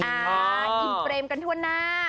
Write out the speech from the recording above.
อ่ายินเตรมกันทั่วหน้า